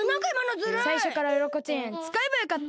さいしょからウロコチェーンつかえばよかった！